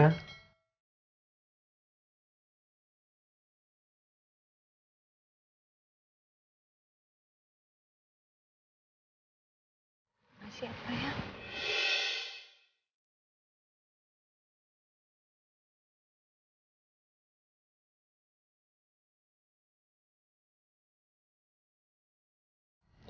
masih apa ya